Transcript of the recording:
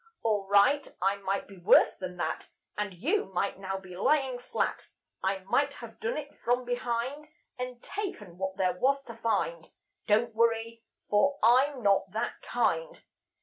All right, I might be worse than that; And you might now be lying flat; I might have done it from behind, And taken what there was to find. Don't worry, for I'm not that kind.